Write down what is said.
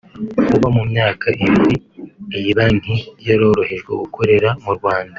Kuba mu myaka ibiri iyi banki yaroroherejwe gukorera mu Rwanda